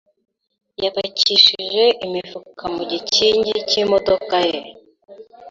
yapakishije imifuka mu gikingi cy’imodoka ye.